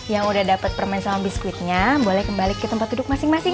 yang udah dapat permen sama biskuitnya boleh kembali ke tempat duduk masing masing